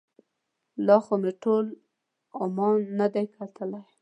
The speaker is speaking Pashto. لا خو مې ټول عمان نه دی کتلی.